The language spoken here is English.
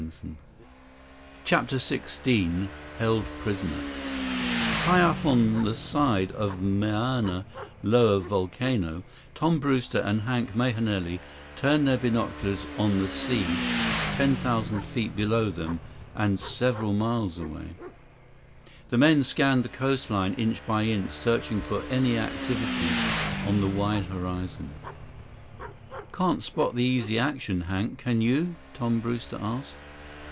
123 CHAPTER XVI Held Prisoner High up the side of Mauna Loa volcano, Tom Brewster and Hank Mahenili turned their binoculars on the sea 10,000 feet below them and several miles away. The men scanned the coastline, inch by inch, searching for any activity on the wide horizon. "Can't spot the Easy Action, Hank. Can you?" Tom Brewster asked.